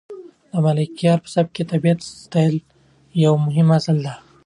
د ملکیار په سبک کې د طبیعت ستایل یو مهم اصل دی.